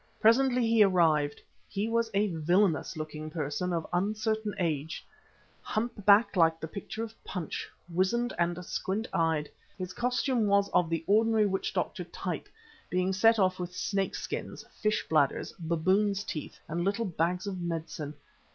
Presently he arrived. He was a villainous looking person of uncertain age, humpbacked like the picture of Punch, wizened and squint eyed. His costume was of the ordinary witch doctor type being set off with snake skins, fish bladders, baboon's teeth and little bags of medicine.